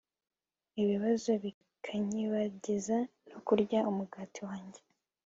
ibibazo bikanyibagiza no kurya umugati wanjye